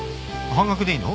半額でいいの？